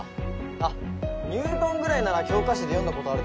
あっニュートンぐらいなら教科書で読んだことあるでしょ。